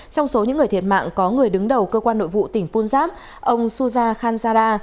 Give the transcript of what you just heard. trong số những người thiệt mạng có người đứng đầu cơ quan nội vụ tỉnh punjab ông suza khanzara